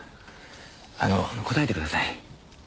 あの答えてください。